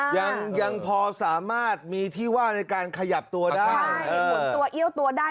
ยังพอสามารถมีที่ว่าในการขยับตัวได้